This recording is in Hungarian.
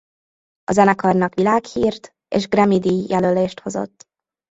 A zenekarnak világhírt és Grammy-díj jelölést hozott.